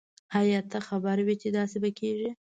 آیا ته خبر وی چې داسي به کیږی